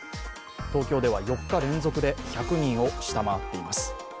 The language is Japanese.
東京では４日連続で１００人を下回っています。